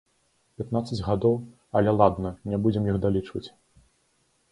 Пятнаццаць гадоў, але ладна, не будзем іх далічваць.